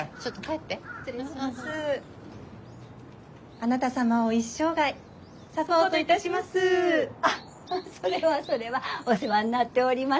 あっそれはそれはお世話になっております。